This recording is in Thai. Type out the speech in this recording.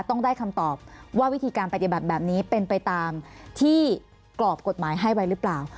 ต้องได้คำตอบว่าวิธีการปฏิบัติแบบนี้เป็นไปตามที่กรอบกฎหมายให้ไว้หรือเปล่า